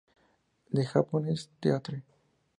The Japanese Theatre.